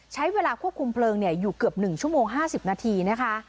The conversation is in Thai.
ใช้เวลาควบคุมเพลิงอยู่เกือบ๑ชั่วโมง๕๐นาทีนะคะ